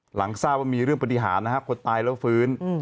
หลังทราบว่ามีเรื่องปฏิหารนะฮะคนตายแล้วฟื้น